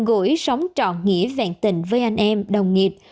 gửi sống trọn nghĩa vẹn tình với anh em đồng nghiệp